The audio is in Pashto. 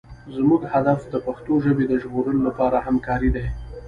زموږ هدف د پښتو ژبې د ژغورلو لپاره همکارۍ دي.